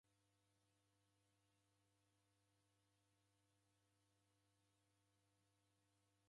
W'aisanga w'aw'iakuzulwa kodi risew'ukaa naighu!